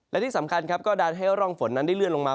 และที่สำคัญครับก็ดันให้ร่องฝนนั้นได้เลื่อนลงมา